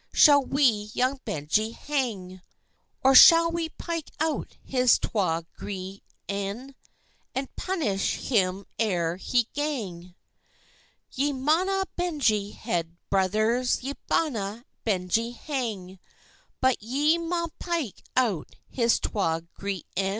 Shall we young Benjie hang? Or shall we pike out his twa gray een, And punish him ere he gang?" "Ye maunna Benjie head, brothers, Ye maunna Benjie hang; But ye maun pike out his twa gray een.